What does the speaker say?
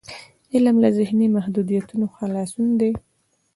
علم له ذهني محدودیتونو خلاصون دی.